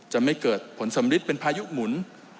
จะไม่เกิดผลสำริดเป็นพายุหมุน